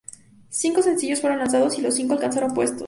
Cinco sencillos fueron lanzados y los cinco alcanzaron puestos.